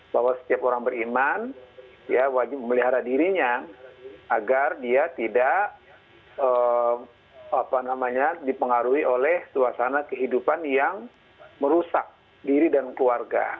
bahwa setiap orang beriman wajib melihara dirinya agar dia tidak dipengaruhi oleh suasana kehidupan yang merusak diri dan keluarga